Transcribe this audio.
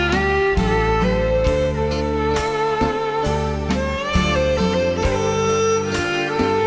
แล้ว